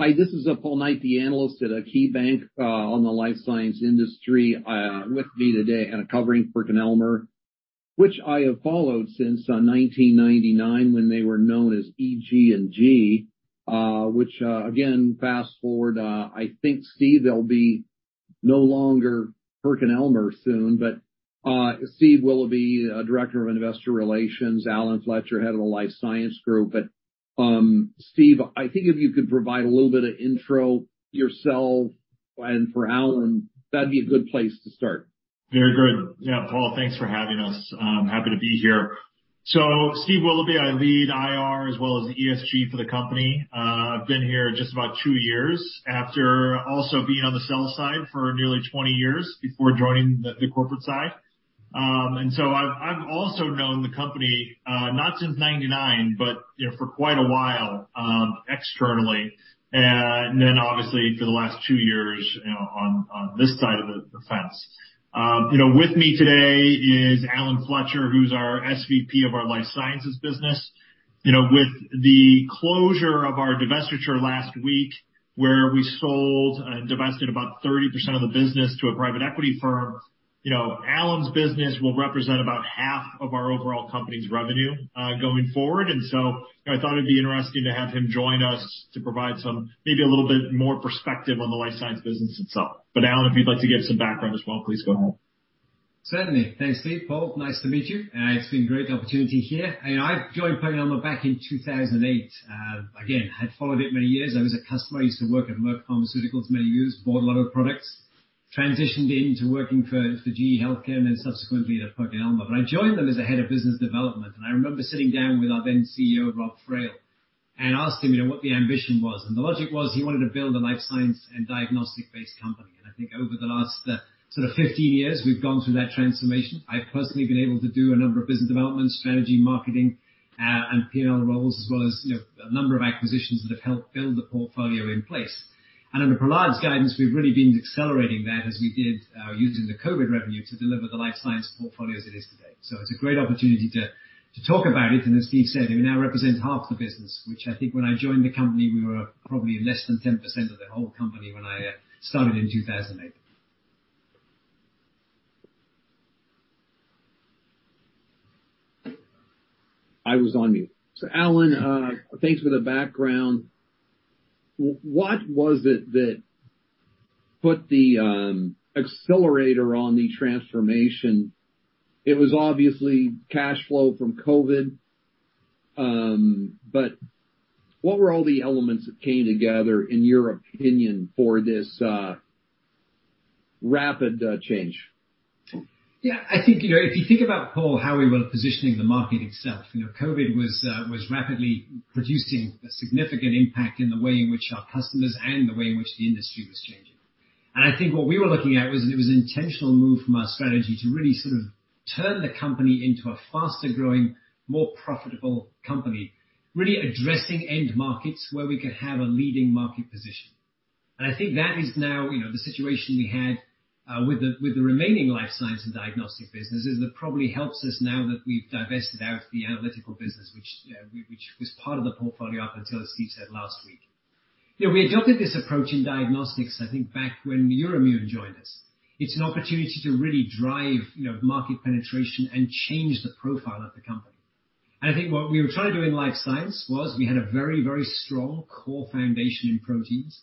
Hi, this is Paul Knight, the Analyst at KeyBanc, on the Life Sciences industry, with me today, covering PerkinElmer, which I have followed since 1999 when they were known as EG&G. Which again, fast forward, I think Steve, they'll be no longer PerkinElmer soon. Steve Willoughby, Director of Investor Relations, Alan Fletcher, head of the Life Sciences group. Steve, I think if you could provide a little bit of intro yourself and for Alan, that'd be a good place to start. Very good. Yeah, Paul, thanks for having us. Happy to be here. Steve Willoughby, I lead IR as well as the ESG for the company. I've been here just about 2 years after also being on the sell side for nearly 20 years before joining the corporate side. I've also known the company, not since 1999, but you know, for quite a while, externally, and then obviously for the last 2 years, you know, on this side of the fence. You know, with me today is Alan Fletcher, who's our SVP of our Life Sciences business. You know, with the closure of our divestiture last week, where we sold and divested about 30% of the business to a private equity firm, you know, Alan's business will represent about half of our overall company's revenue going forward. I thought it'd be interesting to have him join us to provide some maybe a little bit more perspective on the Life Sciences business itself. Alan, if you'd like to give some background as well, please go ahead. Certainly. Thanks, Steve. Paul, nice to meet you. It's been great opportunity here. You know, I joined PerkinElmer back in 2008. Again, had followed it many years. I was a customer. I used to work at Merck Pharmaceuticals, many years, bought a lot of products. Transitioned into working for GE Healthcare and then subsequently to PerkinElmer. I joined them as a Head of Business Development. I remember sitting down with our then CEO Rob Friel and asked him, you know, what the ambition was. The logic was he wanted to build a life science and diagnostic-based company. I think over the last sort of 15 years, we've gone through that transformation. I've personally been able to do a number of business development, strategy, marketing, and P&L roles, as well as, you know, a number of acquisitions that have helped build the portfolio in place. Under Prahlad's guidance, we've really been accelerating that as we did, using the COVID revenue to deliver the life science portfolio as it is today. It's a great opportunity to talk about it, and as Steve said, we now represent half the business, which I think when I joined the company, we were probably less than 10% of the whole company when I, started in 2008. I was on mute. Alan, thanks for the background. What was it that put the accelerator on the transformation? It was obviously cash flow from COVID, but what were all the elements that came together, in your opinion, for this rapid change? Yeah. I think, you know, if you think about, Paul, how we were positioning the market itself, you know, COVID was rapidly producing a significant impact in the way in which our customers and the way in which the industry was changing. I think what we were looking at was it was an intentional move from our strategy to really sort of turn the company into a faster growing, more profitable company, really addressing end markets where we could have a leading market position. I think that is now, you know, the situation we had with the remaining Life Sciences and Diagnostics businesses that probably helps us now that we've divested out the analytical business, which was part of the portfolio up until, as Steve said last week. You know, we adopted this approach in diagnostics, I think, back when Euroimmun joined us. It's an opportunity to really drive, you know, market penetration and change the profile of the company. I think what we were trying to do in Life Sciences was we had a very, very strong core foundation in proteins,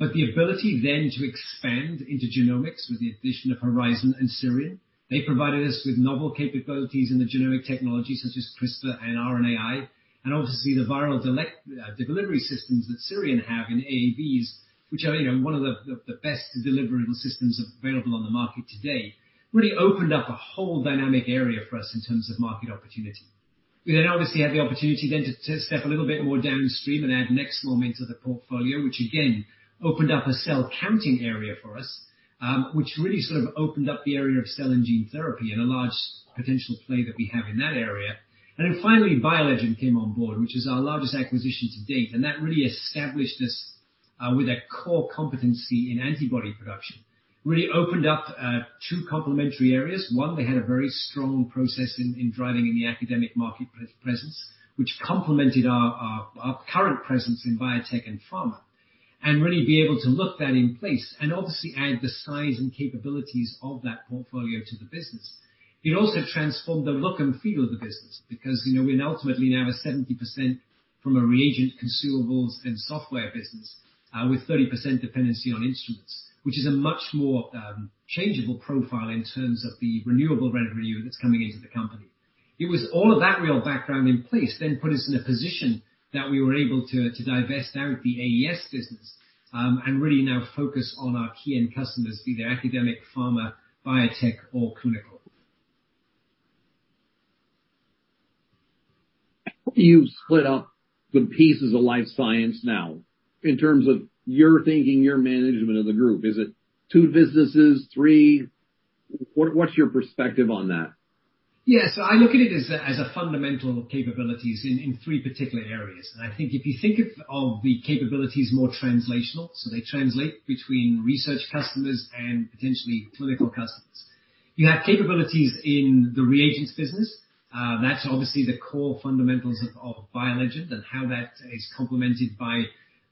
but the ability then to expand into genomics with the addition of Horizon and SIRION, they provided us with novel capabilities in the genomic technology such as CRISPR and RNAi, and obviously the viral delivery systems that SIRION have in AAVs, which are, you know, one of the best deliverable systems available on the market today, really opened up a whole dynamic area for us in terms of market opportunity. We then obviously had the opportunity then to step a little bit more downstream and add Nexcelom into the portfolio, which again, opened up a cell counting area for us, which really sort of opened up the area of cell and gene therapy and a large potential play that we have in that area. Finally, BioLegend came on board, which is our largest acquisition to date. That really established us with a core competency in antibody production. Really opened up two complementary areas. One, they had a very strong process in driving in the academic market presence, which complemented our current presence in biotech and pharma, and really be able to look that in place and obviously add the size and capabilities of that portfolio to the business. It also transformed the look and feel of the business because, you know, we ultimately now have 70% from a reagent, consumables, and software business, with 30% dependency on instruments, which is a much more changeable profile in terms of the renewable revenue that's coming into the company. It was all of that real background in place then put us in a position that we were able to divest out the AES business, and really now focus on our key end customers, either academic, pharma, biotech or clinical. How do you split up the pieces of Life Sciences now in terms of your thinking, your management of the group? Is it two businesses, three? What, what's your perspective on that? Yes. I look at it as a fundamental capabilities in three particular areas. I think if you think of the capabilities more translational, so they translate between research customers and potentially clinical customers. You have capabilities in the reagents business. That's obviously the core fundamentals of BioLegend, and how that is complemented by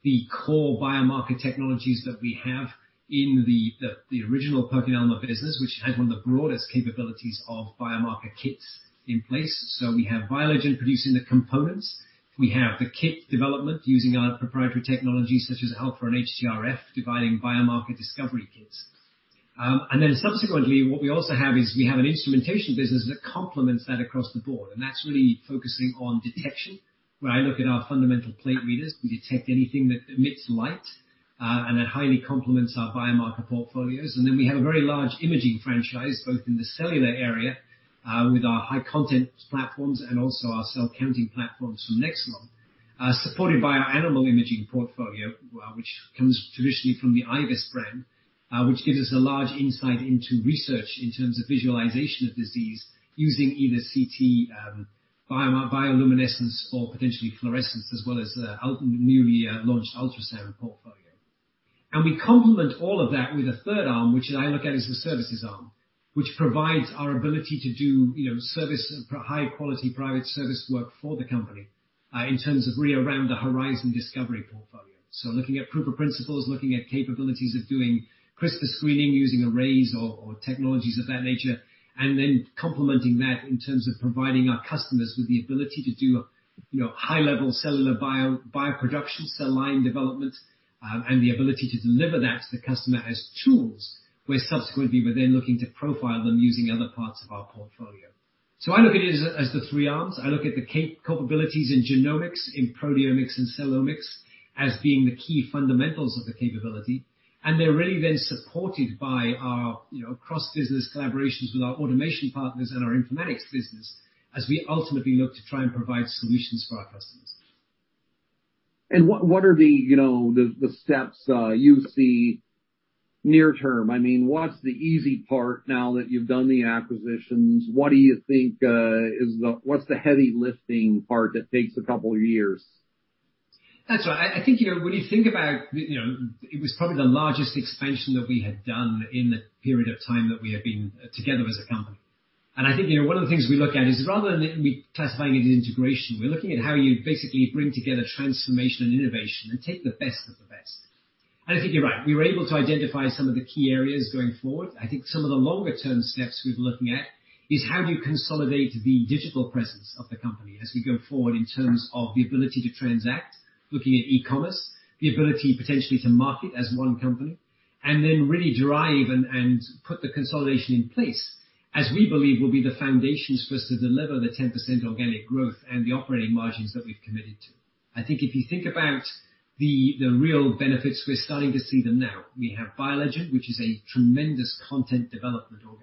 the core biomarker technologies that we have in the original PerkinElmer business, which has one of the broadest capabilities of biomarker kits in place. We have BioLegend producing the components. We have the kit development using our proprietary technologies such as Alpha and HTRF, dividing biomarker discovery kits. Subsequently, what we also have is we have an instrumentation business that complements that across the board, and that's really focusing on detection. Where I look at our fundamental plate readers, we detect anything that emits light, that highly complements our biomarker portfolios. Then we have a very large imaging franchise, both in the cellular area, with our high-content platforms and also our cell counting platforms from Nexcelom. Supported by our animal imaging portfolio, which comes traditionally from the IVIS brand, which gives us a large insight into research in terms of visualization of disease using either CT, bioluminescence or potentially fluorescence, as well as the newly launched ultrasound portfolio. We complement all of that with a third arm, which I look at as the services arm, which provides our ability to do, you know, for high quality private service work for the company, in terms of really around the Horizon Discovery portfolio. Looking at proof of principles, looking at capabilities of doing CRISPR screening using arrays or technologies of that nature, and then complementing that in terms of providing our customers with the ability to do, you know, high-level cellular bioproduction, cell line development, and the ability to deliver that to the customer as tools, where subsequently we're then looking to profile them using other parts of our portfolio. I look at it as the three arms. I look at the capabilities in genomics, in proteomics and cellomics as being the key fundamentals of the capability, and they're really then supported by our, you know, cross-business collaborations with our automation partners and our informatics business as we ultimately look to try and provide solutions for our customers. What are the, you know, the steps you see near term? I mean, what's the easy part now that you've done the acquisitions? What do you think, what's the heavy lifting part that takes a couple years? That's right. I think, you know, when you think about, you know, it was probably the largest expansion that we had done in the period of time that we have been together as a company. I think, you know, one of the things we look at is rather than me classifying it as integration, we're looking at how you basically bring together transformation and innovation and take the best of the best. I think you're right. We were able to identify some of the key areas going forward. I think some of the longer term steps we've looking at is how do you consolidate the digital presence of the company as we go forward in terms of the ability to transact, looking at e-commerce, the ability potentially to market as one company, and then really derive and put the consolidation in place, as we believe will be the foundations for us to deliver the 10% organic growth and the operating margins that we've committed to. I think if you think about the real benefits, we're starting to see them now. We have BioLegend, which is a tremendous content development org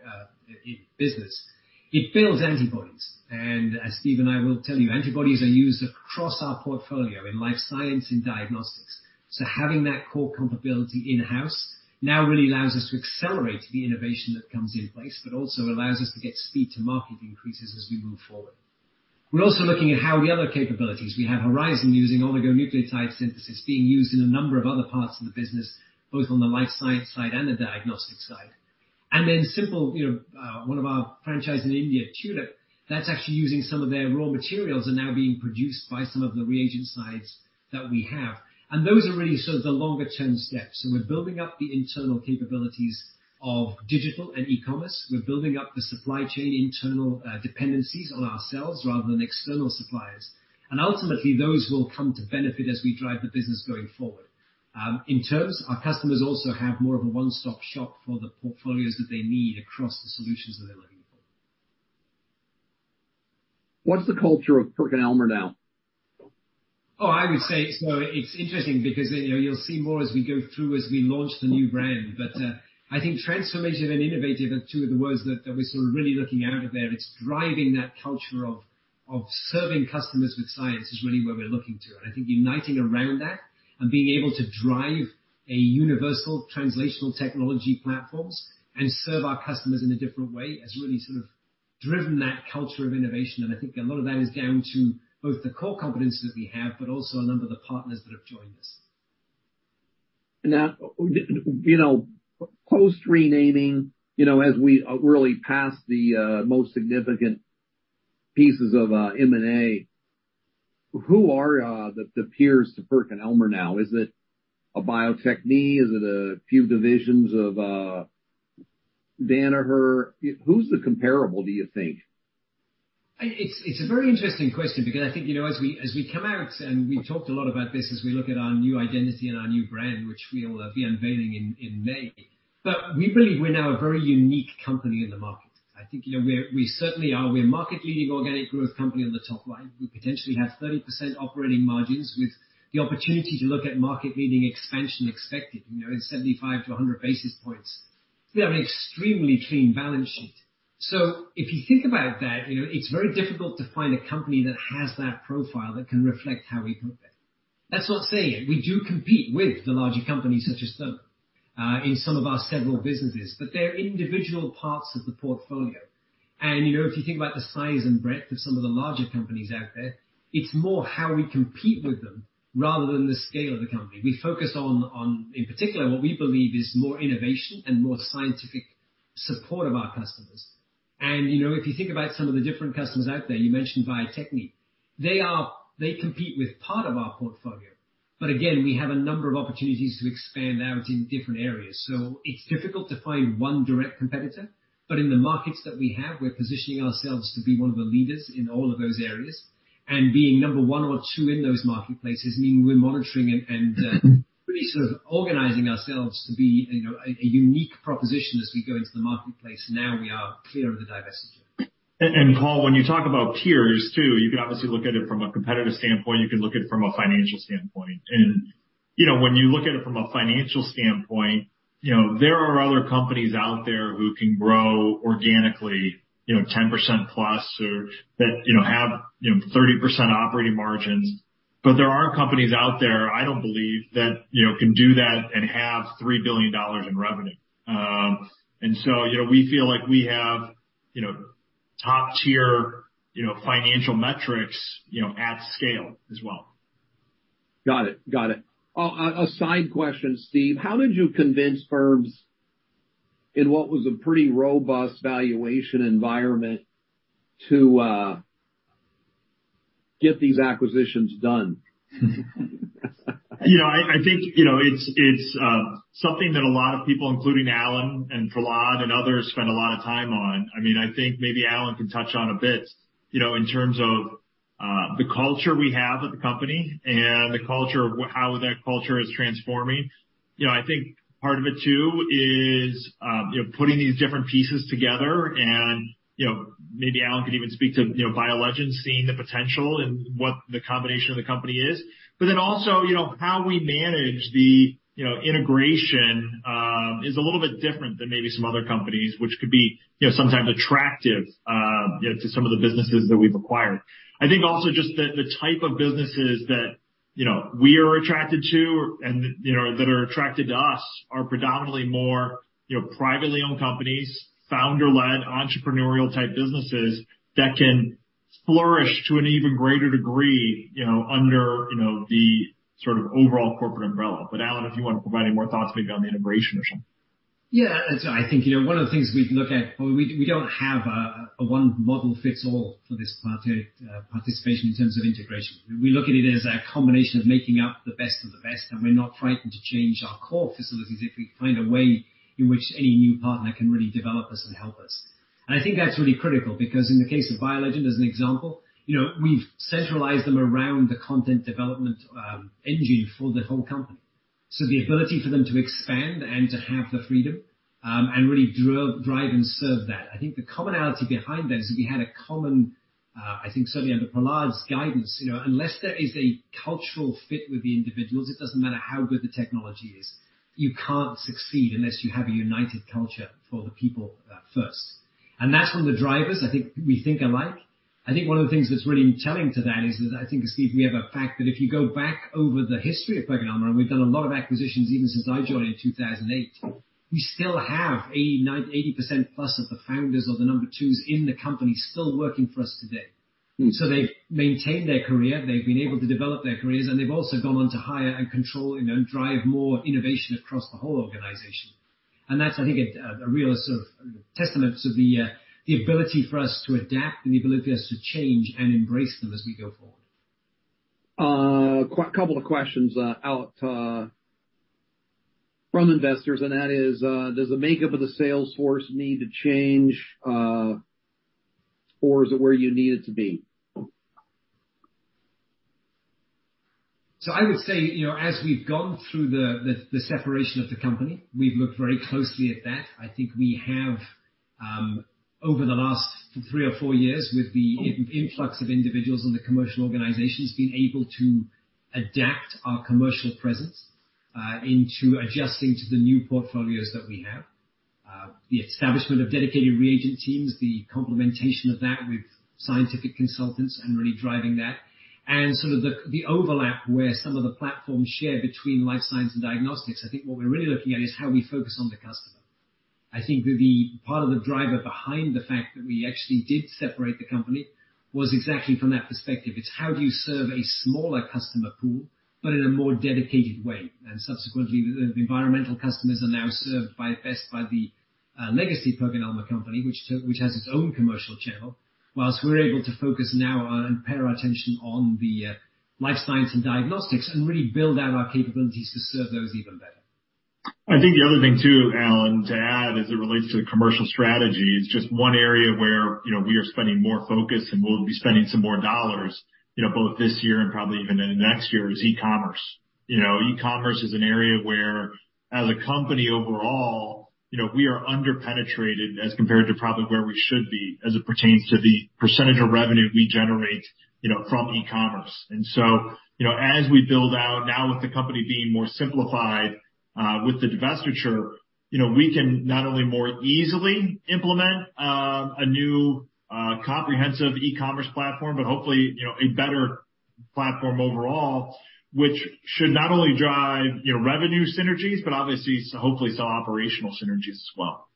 business. It builds antibodies. As Steve and I will tell you, antibodies are used across our portfolio in Life Sciences and Diagnostics. Having that core capability in-house now really allows us to accelerate the innovation that comes in place, but also allows us to get speed to market increases as we move forward. We're also looking at how the other capabilities. We have Horizon using oligonucleotide synthesis being used in a number of other parts of the business, both on the Life Sciences side and the Diagnostics side. Simple, you know, one of our franchise in India, Tulip, that's actually using some of their raw materials are now being produced by some of the reagent sites that we have. Those are really sort of the longer term steps. We're building up the internal capabilities of digital and e-commerce. We're building up the supply chain, internal dependencies on ourselves rather than external suppliers. Ultimately, those will come to benefit as we drive the business going forward. In terms, our customers also have more of a one-stop shop for the portfolios that they need across the solutions that they're looking for. What's the culture of PerkinElmer now? Oh, I would say it's interesting because, you know, you'll see more as we go through as we launch the new brand. I think transformation and innovative are two of the words that we're sort of really looking out of there. It's driving that culture of serving customers with science is really where we're looking to. I think uniting around that and being able to drive a universal translational technology platforms and serve our customers in a different way has really sort of driven that culture of innovation. I think a lot of that is down to both the core competencies we have, but also a number of the partners that have joined us. Now, you know, post-renaming, you know, as we really pass the most significant pieces of M&A, who are the peers to PerkinElmer now? Is it a Bio-Techne? Is it a few divisions of Danaher? Who's the comparable, do you think? It's, it's a very interesting question because I think, you know, as we, as we come out, and we've talked a lot about this as we look at our new identity and our new brand, which we'll be unveiling in May, but we believe we're now a very unique company in the market. I think, you know, we certainly are. We're a market-leading organic growth company on the top line. We potentially have 30% operating margins with the opportunity to look at market-leading expansion expected, you know, in 75-100 basis points. We have an extremely clean balance sheet. If you think about that, you know, it's very difficult to find a company that has that profile that can reflect how we compete. That's not saying we do compete with the larger companies such as Danaher, in some of our several businesses, but they're individual parts of the portfolio. You know, if you think about the size and breadth of some of the larger companies out there, it's more how we compete with them rather than the scale of the company. We focus on, in particular, what we believe is more innovation and more scientific support of our customers. You know, if you think about some of the different customers out there, you mentioned Bio-Techne. They compete with part of our portfolio. Again, we have a number of opportunities to expand out in different areas. It's difficult to find one direct competitor, but in the markets that we have, we're positioning ourselves to be one of the leaders in all of those areas. Being number one or two in those marketplaces mean we're monitoring and really sort of organizing ourselves to be, you know, a unique proposition as we go into the marketplace now we are clear of the divestiture. Paul, when you talk about peers too, you can obviously look at it from a competitive standpoint, you can look at it from a financial standpoint. you know, when you look at it from a financial standpoint, you know, there are other companies out there who can grow organically, you know, 10%+ or that, you know, have, you know, 30% operating margins. There are companies out there, I don't believe that, you know, can do that and have $3 billion in revenue. So, you know, we feel like we have, you know, top-tier, you know, financial metrics, you know, at scale as well. Got it. Got it. A side question, Steve. How did you convince firms in what was a pretty robust valuation environment to get these acquisitions done? You know, I think, you know, it's something that a lot of people, including Alan and Prahlad and others, spend a lot of time on. I mean, I think maybe Alan can touch on a bit, you know, in terms of the culture we have at the company and the culture of how that culture is transforming. You know, I think part of it too is, you know, putting these different pieces together and, you know, maybe Alan could even speak to, you know, BioLegend seeing the potential in what the combination of the company is. Also, you know, how we manage the, you know, integration is a little bit different than maybe some other companies, which could be, you know, sometimes attractive, you know, to some of the businesses that we've acquired. I think also just the type of businesses that, you know, we are attracted to and you know, that are attracted to us are predominantly more, you know, privately owned companies, founder-led, entrepreneurial type businesses that can flourish to an even greater degree, you know, under, you know, the sort of overall corporate umbrella. Alan, if you wanna provide any more thoughts maybe on the integration or something. I think, you know, one of the things we'd look at, well, we don't have a one model fits all for this participation in terms of integration. We look at it as a combination of making up the best of the best, and we're not frightened to change our core facilities if we find a way in which any new partner can really develop us and help us. I think that's really critical because in the case of BioLegend, as an example, you know, we've centralized them around the content development engine for the whole company. The ability for them to expand and to have the freedom and really drive and serve that. I think the commonality behind this, we had a common, I think certainly under Prahlad's guidance, you know, unless there is a cultural fit with the individuals, it doesn't matter how good the technology is. You can't succeed unless you have a united culture for the people, first. That's one of the drivers, I think, we think alike. I think one of the things that's really telling to that is that I think, Steve, we have a fact that if you go back over the history of PerkinElmer, and we've done a lot of acquisitions even since I joined in 2008, we still have 89%, 80%+ of the founders or the number twos in the company still working for us today. They've maintained their career, they've been able to develop their careers, and they've also gone on to hire and control, you know, drive more innovation across the whole organization. That's, I think, a real sort of testament to the ability for us to adapt and the ability for us to change and embrace them as we go forward. Couple of questions out from investors, and that is, does the makeup of the sales force need to change, or is it where you need it to be? I would say, you know, as we've gone through the separation of the company, we've looked very closely at that. I think we have, over the last 3 or 4 years with the influx of individuals in the commercial organizations, being able to adapt our commercial presence into adjusting to the new portfolios that we have. The establishment of dedicated reagent teams, the complementation of that with scientific consultants and really driving that. Sort of the overlap where some of the platforms share between Life Sciences and Diagnostics. I think what we're really looking at is how we focus on the customer. I think the part of the driver behind the fact that we actually did separate the company was exactly from that perspective. It's how do you serve a smaller customer pool, but in a more dedicated way? Subsequently, the environmental customers are now served by best by the legacy PerkinElmer company, which has its own commercial channel, whilst we're able to focus now on and pair our attention on the Life Sciences and Diagnostics and really build out our capabilities to serve those even better. I think the other thing too, Alan, to add as it relates to the commercial strategy is just one area where, you know, we are spending more focus and we'll be spending some more dollars, you know, both this year and probably even in next year is e-commerce. You know, e-commerce is an area where, as a company overall, you know, we are under-penetrated as compared to probably where we should be as it pertains to the percentage of revenue we generate, you know, from e-commerce. As we build out now with the company being more simplified, with the divestiture, you know, we can not only more easily implement, a new, comprehensive e-commerce platform, but hopefully, you know, a better-platform overall, which should not only drive, you know, revenue synergies, but obviously, hopefully some operational synergies as well.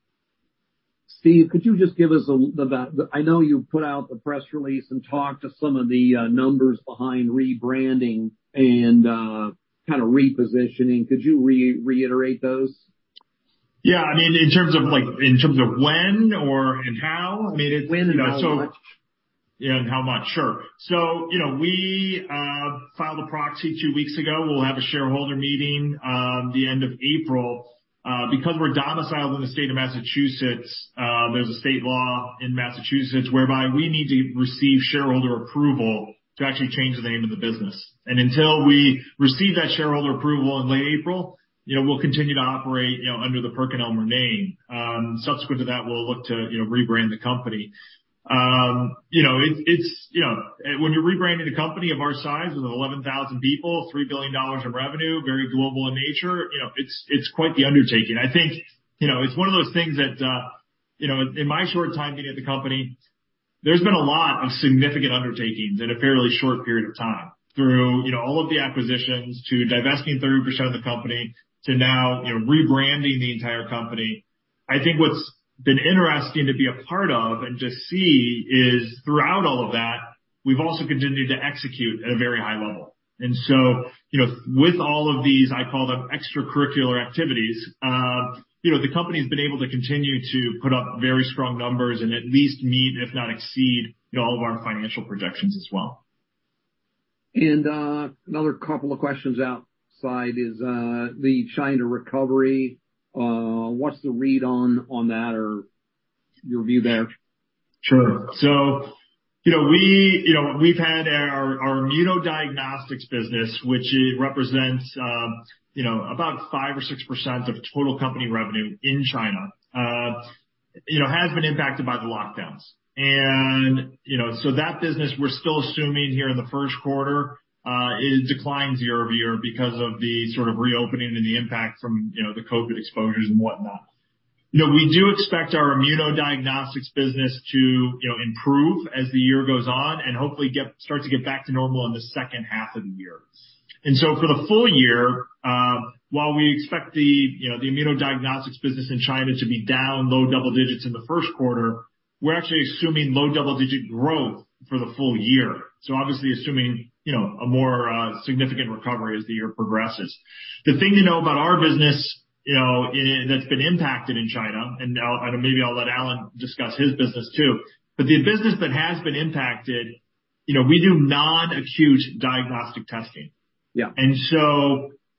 Steve, I know you put out the press release and talked to some of the numbers behind rebranding and kinda repositioning. Could you reiterate those? Yeah. I mean, in terms of like, in terms of when or, and how? I mean, When and how much? Yeah, and how much? Sure. You know, we filed a proxy two weeks ago. We'll have a shareholder meeting, the end of April. Because we're domiciled in the state of Massachusetts, there's a state law in Massachusetts whereby we need to receive shareholder approval to actually change the name of the business. Until we receive that shareholder approval in late April, you know, we'll continue to operate, you know, under the PerkinElmer name. Subsequent to that, we'll look to, you know, rebrand the company. You know, it's, you know. When you're rebranding a company of our size with 11,000 people, $3 billion in revenue, very global in nature, you know, it's quite the undertaking. I think, you know, it's one of those things that, you know, in my short time being at the company, there's been a lot of significant undertakings in a fairly short period of time. Through, you know, all of the acquisitions to divesting 30% of the company, to now, you know, rebranding the entire company. I think what's been interesting to be a part of and to see is throughout all of that, we've also continued to execute at a very high level. With, you know, all of these, I call them extracurricular activities, you know, the company's been able to continue to put up very strong numbers and at least meet, if not exceed, you know, all of our financial projections as well. Another couple of questions outside is, the China recovery, what's the read on that or your view there? Sure. You know, we, you know, we've had our Immunodiagnostics business, which it represents, you know, about 5% or 6% of total company revenue in China. You know, has been impacted by the lockdowns. You know, so that business, we're still assuming here in the first quarter, it declined year-over-year because of the sort of reopening and the impact from, you know, the COVID exposures and whatnot. You know, we do expect our Immunodiagnostics business to, you know, improve as the year goes on, and hopefully start to get back to normal in the second half of the year. For the full year, while we expect the, you know, the Immunodiagnostics business in China to be down low double digits in the first quarter, we're actually assuming low double-digit growth for the full year. Obviously assuming, you know, a more significant recovery as the year progresses. The thing to know about our business, you know, and that's been impacted in China, and maybe I'll let Alan discuss his business too. The business that has been impacted, you know, we do non-acute diagnostic testing. Yeah.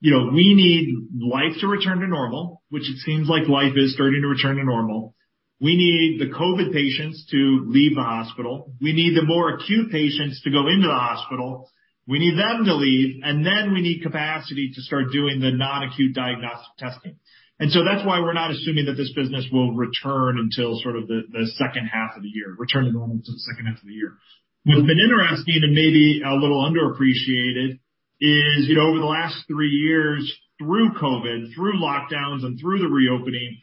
You know, we need life to return to normal, which it seems like life is starting to return to normal. We need the COVID patients to leave the hospital. We need the more acute patients to go into the hospital. We need them to leave, and then we need capacity to start doing the non-acute diagnostic testing. That's why we're not assuming that this business will return until sort of the second half of the year, return to normal until the second half of the year. What's been interesting and maybe a little underappreciated is, you know, over the last 3 years, through COVID, through lockdowns, and through the reopening,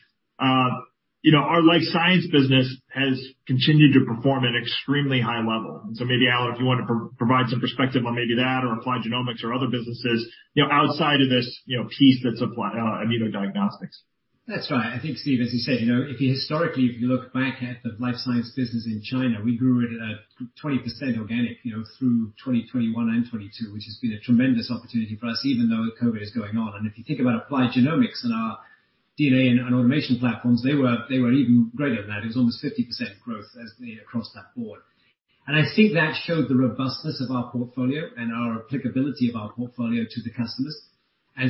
you know, our Life Sciences business has continued to perform at extremely high level. Maybe, Alan, if you want to provide some perspective on maybe that or applied genomics or other businesses, you know, outside of this, you know, piece that's Immunodiagnostics. That's right. I think, Steve, as you said, you know, if you historically, if you look back at the Life Sciences business in China, we grew it at 20% organic, you know, through 2021 and 2022, which has been a tremendous opportunity for us, even though COVID is going on. If you think about applied genomics and our DNA and automation platforms, they were even greater than that. It was almost 50% growth across that board. I think that showed the robustness of our portfolio and our applicability of our portfolio to the customers.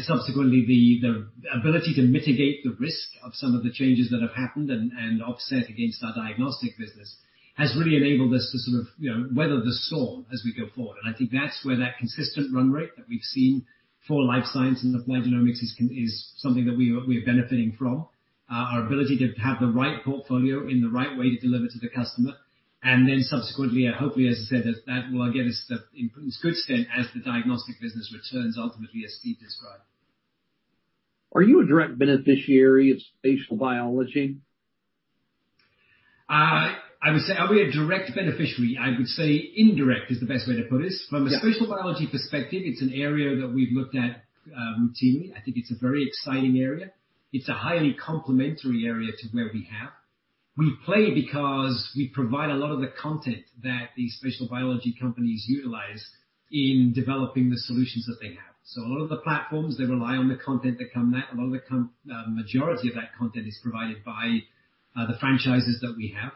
Subsequently, the ability to mitigate the risk of some of the changes that have happened and offset against our Diagnostics business has really enabled us to sort of, you know, weather the storm as we go forward. I think that's where that consistent run rate that we've seen for life science and applied genomics is something that we're benefiting from. Our ability to have the right portfolio in the right way to deliver to the customer, and then subsequently, hopefully, as you said, that that will get us to in as good stead as the Diagnostics business returns ultimately, as Steve described. Are you a direct beneficiary of spatial biology? Are we a direct beneficiary? I would say indirect is the best way to put it. Yeah. From a spatial biology perspective, it's an area that we've looked at, routinely. I think it's a very exciting area. It's a highly complementary area to where we have. We play because we provide a lot of the content that these spatial biology companies utilize in developing the solutions that they have. A lot of the platforms, they rely on the content that come out. A lot of the majority of that content is provided by the franchises that we have.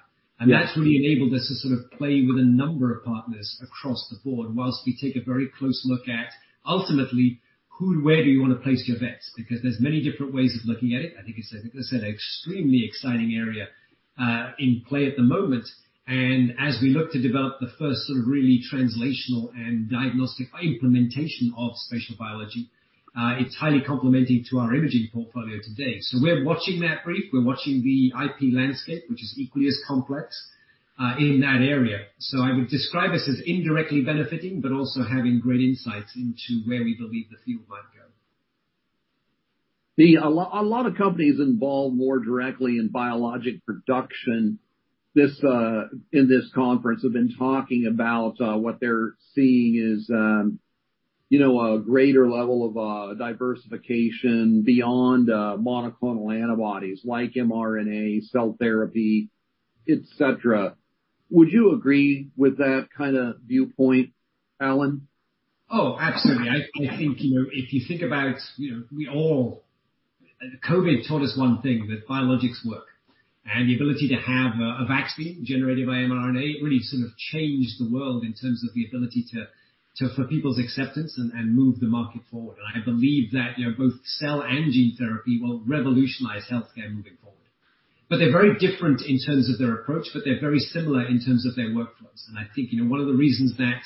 Yeah. That's really enabled us to sort of play with a number of partners across the board whilst we take a very close look at ultimately, where do you wanna place your bets? Because there's many different ways of looking at it. I think it's, as I said, extremely exciting area in play at the moment. As we look to develop the first sort of really translational and diagnostic implementation of spatial biology, it's highly complementary to our imaging portfolio today. We're watching that brief. We're watching the IP landscape, which is equally as complex in that area. I would describe us as indirectly benefiting, but also having great insights into where we believe the field might go. A lot of companies involved more directly in biologic production this in this conference have been talking about what they're seeing is, you know, a greater level of diversification beyond monoclonal antibodies like mRNA, cell therapy, et cetera. Would you agree with that kind of viewpoint, Alan? Oh, absolutely. I think, you know, if you think about, you know, COVID taught us one thing, that biologics work. The ability to have a vaccine generated by mRNA, really sort of changed the world in terms of the ability for people's acceptance and move the market forward. I believe that, you know, both cell and gene therapy will revolutionize healthcare moving forward. They're very different in terms of their approach, but they're very similar in terms of their workflows. I think, you know, one of the reasons that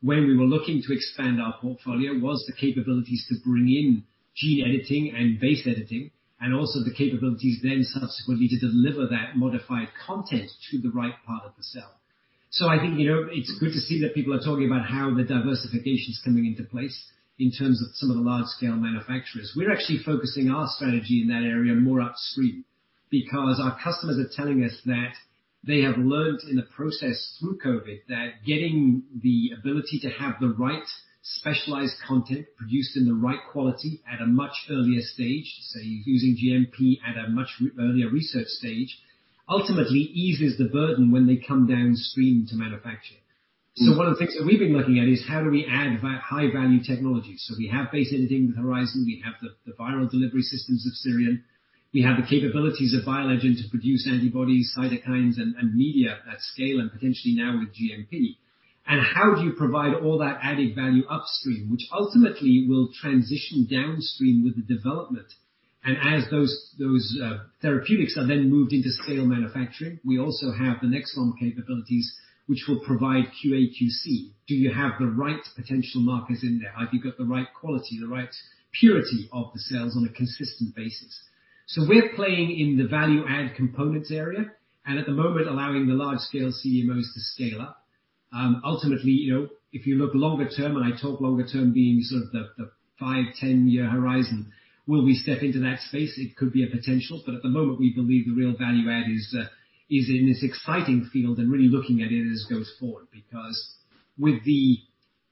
when we were looking to expand our portfolio was the capabilities to bring in gene editing and base editing, and also the capabilities then subsequently to deliver that modified content to the right part of the cell. I think, you know, it's good to see that people are talking about how the diversification's coming into place in terms of some of the large scale manufacturers. We're actually focusing our strategy in that area more upstream, because our customers are telling us that they have learnt in the process through COVID that getting the ability to have the right specialized content produced in the right quality at a much earlier stage, say using GMP at a much earlier research stage, ultimately eases the burden when they come downstream to manufacture. Mm. One of the things that we've been looking at is how do we add high value technologies. We have base editing with Horizon, we have the viral delivery systems of SIRION, we have the capabilities of BioLegend to produce antibodies, cytokines, and media at scale and potentially now with GMP. How do you provide all that added value upstream, which ultimately will transition downstream with the development. As those therapeutics are then moved into scale manufacturing, we also have the Nexcelom capabilities, which will provide QA/QC. Do you have the right potential markers in there? Have you got the right quality, the right purity of the cells on a consistent basis? We're playing in the value add components area, and at the moment allowing the large scale CMOs to scale up. Ultimately, you know, if you look longer term, and I talk longer term being sort of the 5, 10-year horizon, will we step into that space? It could be a potential, but at the moment, we believe the real value add is in this exciting field and really looking at it as it goes forward. With the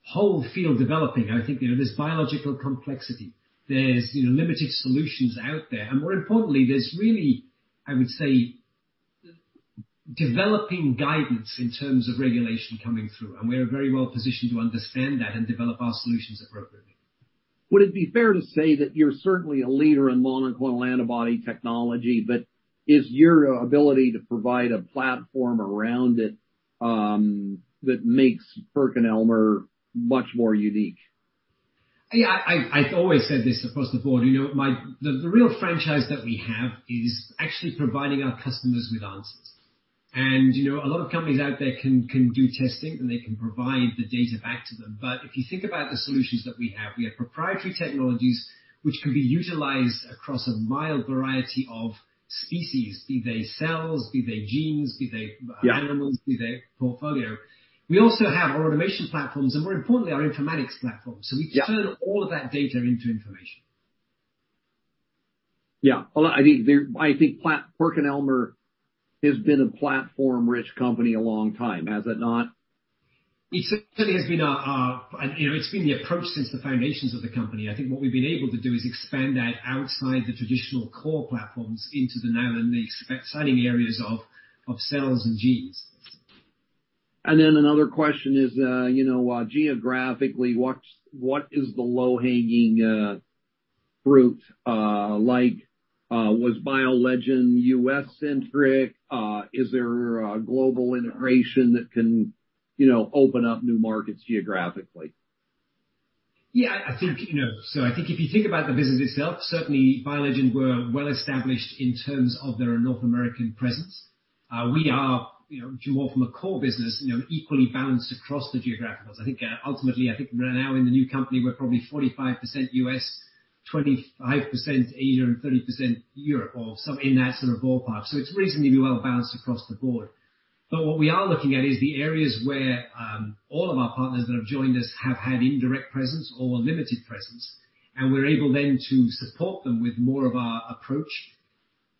whole field developing, I think, you know, there's biological complexity. There's, you know, limited solutions out there. More importantly, there's really, I would say, developing guidance in terms of regulation coming through. We're very well positioned to understand that and develop our solutions appropriately. Would it be fair to say that you're certainly a leader in monoclonal antibody technology, but is your ability to provide a platform around it, that makes PerkinElmer much more unique? Yeah. I've always said this across the board. You know, the real franchise that we have is actually providing our customers with answers. You know, a lot of companies out there can do testing, and they can provide the data back to them. If you think about the solutions that we have, we have proprietary technologies which can be utilized across a wide variety of species, be they cells, be they genes, be they. Yeah. Animals, be they portfolio. We also have our automation platforms, more importantly, our informatics platform. Yeah. We can turn all of that data into information. Yeah. Although I think PerkinElmer has been a platform-rich company a long time, has it not? It certainly has been our, and, you know, it's been the approach since the foundations of the company. I think what we've been able to do is expand that outside the traditional core platforms into the now and the exciting areas of cells and genes. Another question is, you know, geographically, what is the low-hanging fruit? Like, was BioLegend U.S.-centric? Is there a global integration that can, you know, open up new markets geographically? Yeah. I think, you know, I think if you think about the business itself, certainly BioLegend were well established in terms of their North American presence. We are, you know, to draw from a core business, you know, equally balanced across the geographicals. I think, ultimately, I think now in the new company, we're probably 45% U.S., 25% Asia, and 30% Europe or some in that sort of ballpark. It's reasonably well balanced across the board. What we are looking at is the areas where all of our partners that have joined us have had indirect presence or limited presence, and we're able then to support them with more of our approach.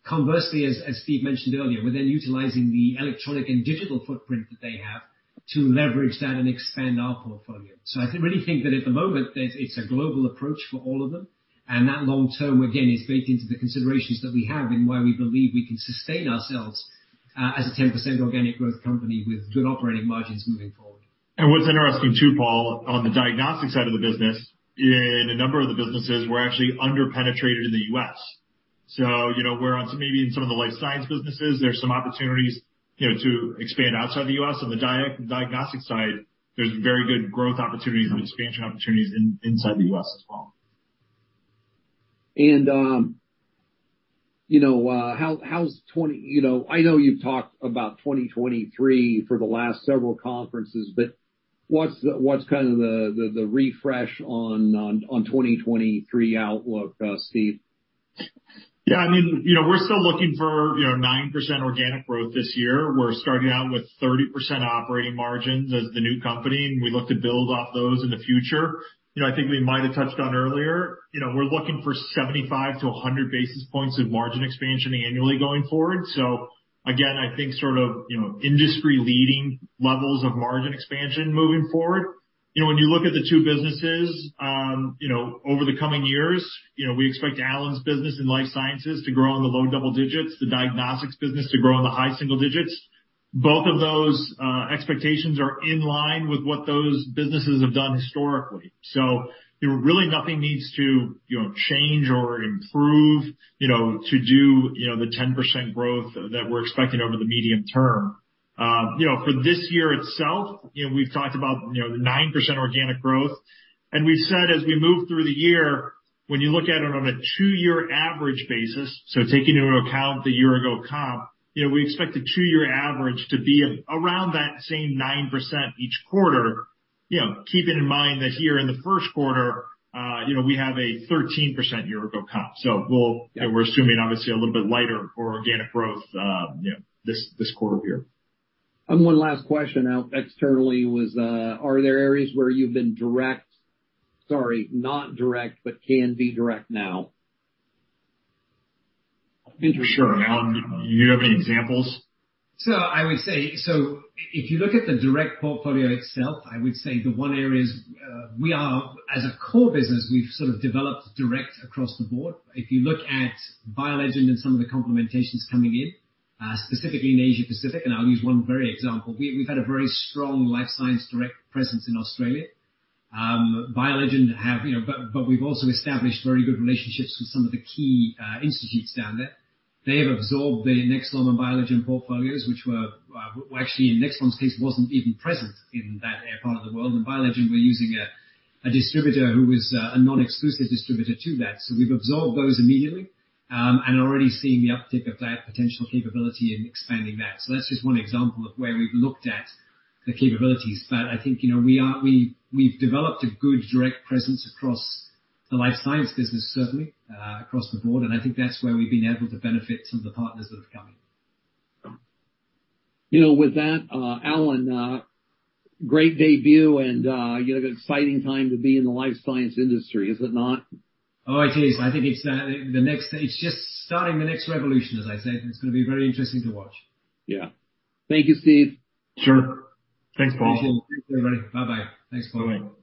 Conversely, as Steve mentioned earlier, we're then utilizing the electronic and digital footprint that they have to leverage that and expand our portfolio. I really think that at the moment, there's it's a global approach for all of them. That long term, again, is baked into the considerations that we have and why we believe we can sustain ourselves as a 10% organic growth company with good operating margins moving forward. What's interesting too, Paul, on the Diagnostics side of the business, in a number of the businesses, we're actually under-penetrated in the US. you know, we're on maybe in some of the Life Sciences businesses, there's some opportunities, you know, to expand outside the U.S. On the Diagnostics side, there's very good growth opportunities and expansion opportunities inside the U.S. as well. You know, I know you've talked about 2023 for the last several conferences, but what's kind of the refresh on 2023 outlook, Steve? I mean, you know, we're still looking for, you know, 9% organic growth this year. We're starting out with 30% operating margins as the new company, we look to build off those in the future. You know, I think we might have touched on earlier, you know, we're looking for 75-100 basis points of margin expansion annually going forward. Again, I think sort of, you know, industry-leading levels of margin expansion moving forward. You know, when you look at the two businesses, you know, over the coming years, you know, we expect Alan's business in Life Sciences to grow in the low double digits, the Diagnostics business to grow in the high single digits. Both of those expectations are in line with what those businesses have done historically. You know, really nothing needs to, you know, change or improve, you know, to do, you know, the 10% growth that we're expecting over the medium term. You know, for this year itself, you know, we've talked about, you know, the 9% organic growth. We've said as we move through the year, when you look at it on a two-year average basis, so taking into account the year ago comp, you know, we expect the two-year average to be around that same 9% each quarter. You know, keeping in mind that here in the first quarter, you know, we have a 13% year ago comp. We're assuming obviously a little bit lighter for organic growth, you know, this quarter here. One last question, Al. Externally was, are there areas where you've been sorry, not direct, but can be direct now? Sure. Alan, do you have any examples? I would say, if you look at the direct portfolio itself, I would say the one area is, we are as a core business, we've sort of developed direct across the board. If you look at BioLegend and some of the complementations coming in, specifically in Asia-Pacific, I'll use one very example. We've had a very strong life science direct presence in Australia. BioLegend have, you know, but we've also established very good relationships with some of the key institutes down there. They have absorbed the Nexcelom and BioLegend portfolios, which were, well, actually in Nexcelom's case, wasn't even present in that part of the world. BioLegend were using a distributor who was a non-exclusive distributor to that. We've absorbed those immediately, and already seeing the uptick of that potential capability in expanding that. That's just one example of where we've looked at the capabilities. I think, you know, we've developed a good direct presence across the Life Sciences business, certainly, across the board. I think that's where we've been able to benefit some of the partners that have come in. You know, with that, Alan, great debut and, you know, an exciting time to be in the life science industry, is it not? Oh, it is. I think it's just starting the next revolution, as I said. It's gonna be very interesting to watch. Yeah. Thank you, Steve. Sure. Thanks, Paul. Thank you. Thanks, everybody. Bye-bye. Thanks for calling.